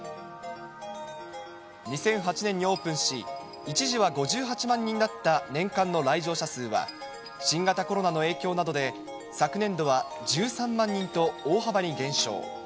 ２００８年にオープンし、一時は５８万人だった年間の来場者数は、新型コロナの影響などで、昨年度は１３万人と大幅に減少。